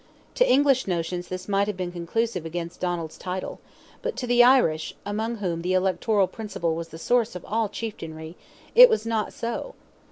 To English notions this might have been conclusive against Donald's title, but to the Irish, among whom the electoral principle was the source of all chieftainry, it was not so.